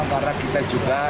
memang orang kita juga